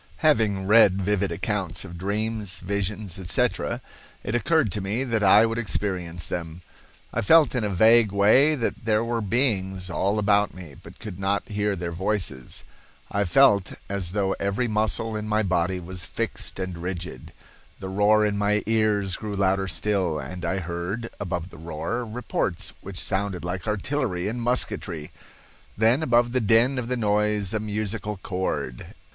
Having read vivid accounts of dreams, visions, etc., it occurred to me that I would experience them. I felt in a vague way that there were beings all about me but could not hear their voices. I felt as though every muscle in my body was fixed and rigid. The roar in my ears grew louder still, and I heard, above the roar, reports which sounded like artillery and musketry. Then above the din of the noise a musical chord.